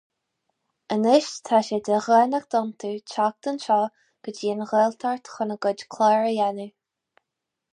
Anois tá sé de dhánacht iontú teacht anseo go dtí an Ghaeltacht chun a gcuid clár a dhéanamh.